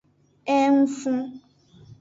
Ee ng fon.